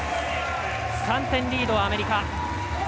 ３点リード、アメリカ。